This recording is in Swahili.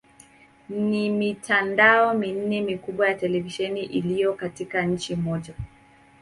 Ni mitandao minne mikubwa ya televisheni iliyo katika nchi moja.